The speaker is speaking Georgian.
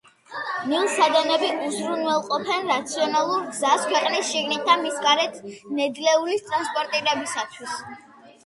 მილსადენები უზრუნველყოფენ რაციონალურ გზას ქვეყნის შიგნით და მის გარეთ ნედლეულის ტრანსპორტირებისათვის.